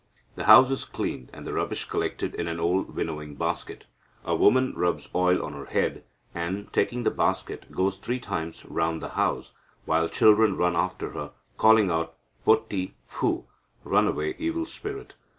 The house is cleaned, and the rubbish collected in an old winnowing basket. A woman rubs oil on her head, and, taking the basket, goes three times round the house, while children run after her, calling out, 'Potti, phoo' (run away, evil spirit).